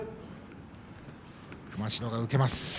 熊代が受けます。